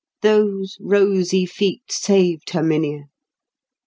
Those rosy feet saved Herminia.